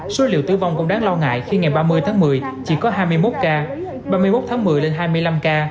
số liệu tử vong cũng đáng lo ngại khi ngày ba mươi tháng một mươi chỉ có hai mươi một ca ba mươi một tháng một mươi lên hai mươi năm ca